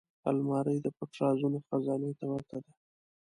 الماري د پټ رازونو خزانې ته ورته ده